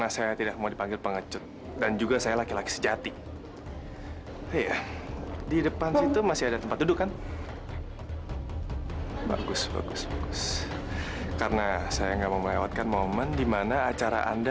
sampai jumpa di video selanjutnya